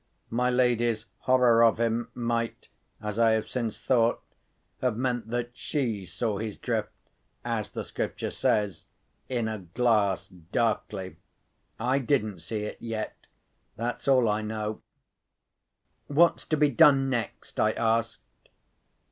My lady's horror of him might (as I have since thought) have meant that she saw his drift (as the scripture says) "in a glass darkly." I didn't see it yet—that's all I know. "What's to be done next?" I asked.